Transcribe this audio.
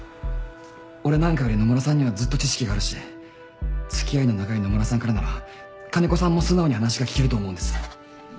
俺なんかより野村さんにはずっと知識があるし付き合いの長い野村さんからなら金子さんも素直に話が聞けると思うんです。